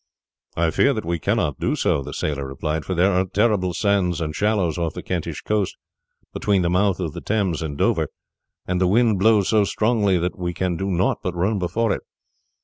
"I fear that we cannot do so," the sailor replied, "for there are terrible sands and shallows off the Kentish coast between the mouth of the Thames and Dover, and the wind blows so strongly that we can do nought but run before it."